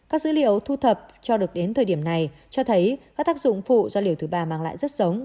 các dữ liệu thu thập cho được đến thời điểm này cho thấy các tác dụng phụ do liều thứ ba mang lại rất sống